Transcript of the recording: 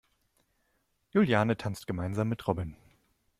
Juliane tanzt gemeinsam mit Robin.